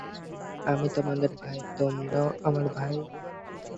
হাঁ, আমি তোমাদের ভাই, তোমরাও আমার ভাই।